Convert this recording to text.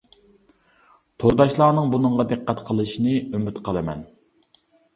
تورداشلارنىڭ بۇنىڭغا دىققەت قىلىشىنى ئۈمىد قىلىمەن.